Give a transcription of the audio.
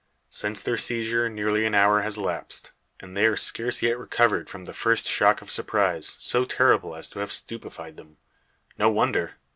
Since their seizure nearly an hour has elapsed, and they are scarce yet recovered from the first shock of surprise, so terrible as to have stupified them. No wonder!